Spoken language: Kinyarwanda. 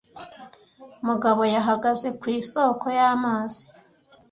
Mugabo yahagaze ku isoko y'amazi